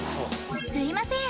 すいません